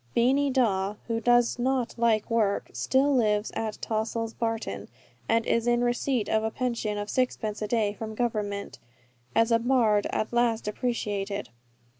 Beany Dawe, who does not like work, still lives at Tossil's Barton, and is in receipt of a pension of sixpence a day from Government, as a bard at last appreciated.